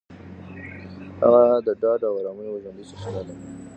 هغه د ډاډ او ارامۍ یوه ژوندۍ سرچینه ده.